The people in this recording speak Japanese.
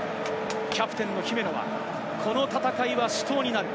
キャプテンの姫野は、この戦いは死闘になる。